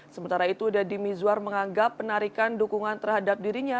sementara itu deddy mizwar menganggap penarikan dukungan terhadap dirinya